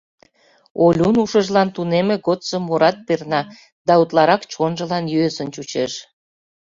Олюн ушыжлан тунемме годсо мурат перна, да утларак чонжылан йӧсын чучеш.